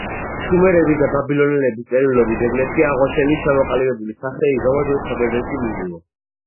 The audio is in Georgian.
შუმერების და ბაბილონელების წერილობით ძეგლებშია აღმოჩენილი ჩამოყალიბებული სახე იგავმა ძველ საბერძნეთში მიიღო